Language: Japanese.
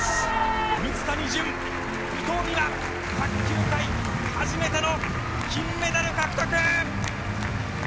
水谷隼・伊藤美誠、卓球界初めての金メダル獲得！